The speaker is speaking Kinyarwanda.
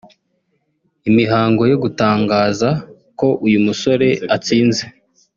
Imihango yo gutangaza ko uyu musore atsinze